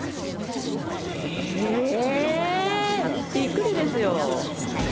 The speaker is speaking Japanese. えー、びっくりですよ。